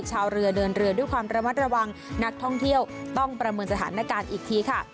ชาวเรือเดินเรือด้วยความระมัดระวังนักท่องเที่ยวต้องประเมินสถานการณ์อีกทีค่ะ